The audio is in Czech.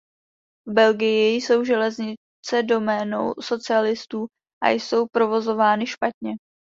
V Belgii jsou železnice doménou socialistů a jsou provozovány špatně.